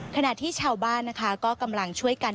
ขณะที่ชาวบ้านนะคะก็กำลังช่วยกัน